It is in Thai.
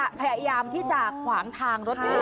เขาก็เลยพยายามที่จะขวางทางรถพยาบาลรถฉุกเฉินคันนี้